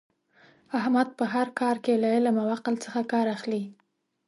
احمد په هر کار کې له علم او عقل څخه کار اخلي.